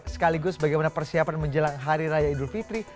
sekaligus bagaimana persiapan menjelang hari raya idul fitri